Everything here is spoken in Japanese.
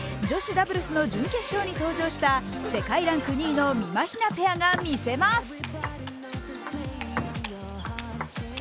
女子ダブルスの準決勝に登場した世界ランク２位のみまひなペアが見せます！